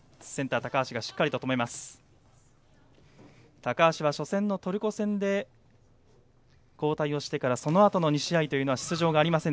高橋は初戦のトルコ戦で交代をしてからそのあとの２試合は出場がありません。